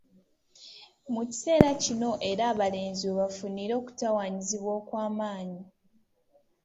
Mu kiseera kino era abalenzi we bafunira okutawaanyizibwa okwamaanyi.